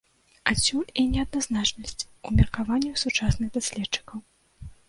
Адсюль і неадназначнасць у меркаваннях сучасных даследчыкаў.